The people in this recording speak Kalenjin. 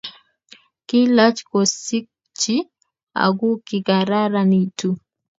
Kiilach kosikchi aku kikararanitu